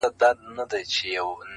o انسان د احسان تابع دئ.